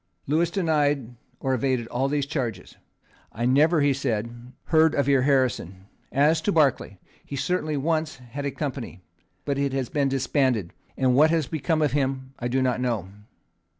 Lewis denied or evaded all these charges. "I never," he said, "heard of your Harrison. As to Barclay, he certainly once had a company; but it has been disbanded; and what has become of him I do not know.